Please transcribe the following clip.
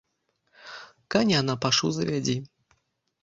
Каня на пашу завядзі.